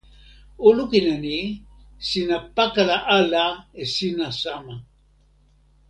o lukin e ni: sina pakala ala e sina sama.